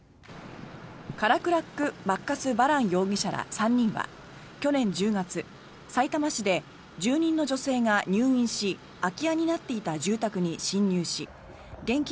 カラクラック・バッカス・バラン容疑者ら３人は去年１０月さいたま市で住人の女性が入院し空き家になっていた住宅に侵入し現金